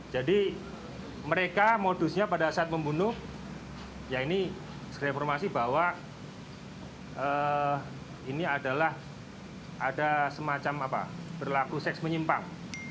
jadi mereka modusnya pada saat membunuh ya ini reformasi bahwa ini adalah ada semacam berlaku seks menyimpang